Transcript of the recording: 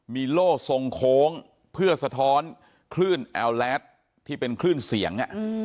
มีโล่ทรงโค้งเพื่อสะท้อนคลื่นแอลแลตที่เป็นคลื่นเสียง